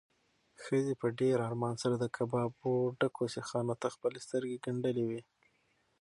ښځې په ډېر ارمان سره د کبابو ډکو سیخانو ته خپلې سترګې ګنډلې وې.